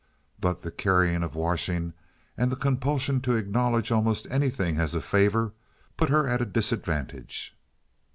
But the carrying of washing and the compulsion to acknowledge almost anything as a favor put her at a disadvantage.